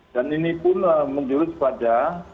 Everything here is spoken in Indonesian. dan ini pun menjulis pada